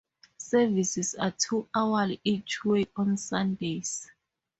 Services are two-hourly each way on Sundays.